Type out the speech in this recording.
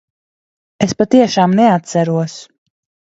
Es patiešām neatceros.